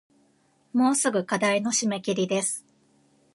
もうすぐ課題の締切です